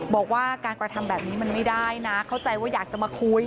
บอกว่าการกระทำแบบนี้มันไม่ได้นะเข้าใจว่าอยากจะมาคุย